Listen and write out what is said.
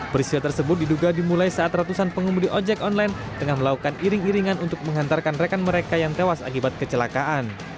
peristiwa tersebut diduga dimulai saat ratusan pengemudi ojek online tengah melakukan iring iringan untuk menghantarkan rekan mereka yang tewas akibat kecelakaan